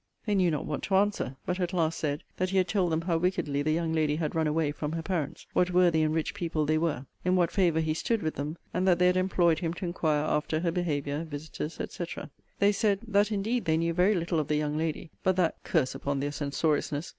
They knew not what to answer: but at last said, that he had told them how wickedly the young lady had run away from her parents: what worthy and rich people they were: in what favour he stood with them; and that they had employed him to inquire after her behaviour, visiters, &c. They said, 'That indeed they knew very little of the young lady; but that [curse upon their censoriousness!